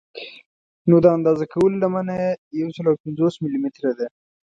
نو د اندازه کولو لمنه یې یو سل او پنځوس ملي متره ده.